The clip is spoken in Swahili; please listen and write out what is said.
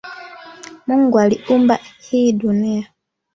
Mungu aliumba hii dunia